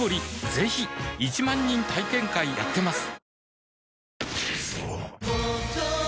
ぜひ１万人体験会やってますはぁ。